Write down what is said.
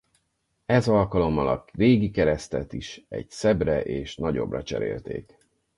Ez alkalommal a régi keresztet is egy szebbre és nagyobbra cserélték.